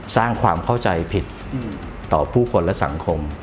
สร้างความเข้าใจผิดต่อผู้คนและสังคม